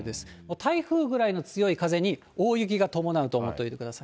台風ぐらいの強い風に大雪が伴うと思っておいてください。